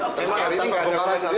terus hari ini mengumpulkan saja